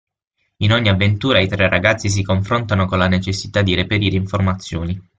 In ogni avventura i tre ragazzi si confrontano con la necessità di reperire informazioni.